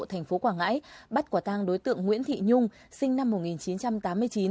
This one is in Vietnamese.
thành phố quảng ngãi bắt quả tang đối tượng nguyễn thị nhung sinh năm một nghìn chín trăm tám mươi chín